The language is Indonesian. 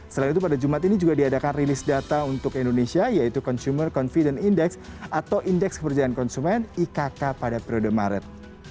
selain itu pada jumat ini juga diadakan rilis data untuk indonesia yaitu consumer confident index atau indeks kepercayaan konsumen ikk pada periode maret